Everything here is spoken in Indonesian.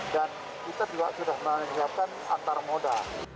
dan kita juga sudah melihatkan antarmoda